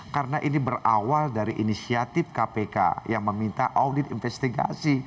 karena ini berawal dari inisiatif kpk yang meminta audit investigasi